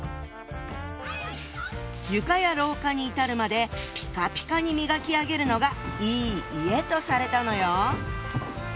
床や廊下に至るまでピカピカに磨き上げるのがいい家とされたのよ。